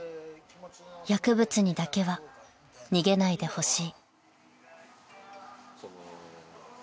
［薬物にだけは逃げないでほしい］